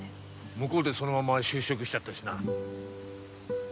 向こうでそのまま就職しちゃったしな。